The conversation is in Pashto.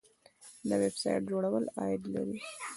د ویب سایټ جوړول عاید لري